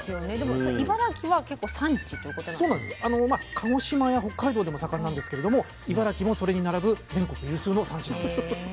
鹿児島や北海道でも盛んなんですけれども茨城もそれに並ぶ全国有数の産地なんです。